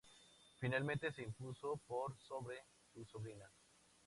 Finalmente se impuso por sobre su sobrina.